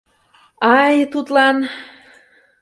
— Ай, тудлан...